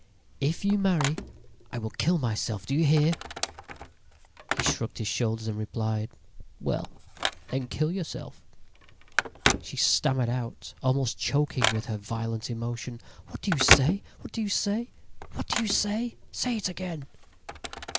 "'If you marry, I will kill myself! Do you hear?' "He shrugged his shoulders and replied: "'Well, then kill yourself!' "She stammered out, almost choking with her violent emotion: "'What do you say? What do you say? What do you say? Say it again!'